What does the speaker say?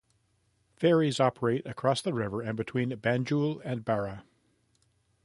Ferries operate across the river and between Banjul and Barra.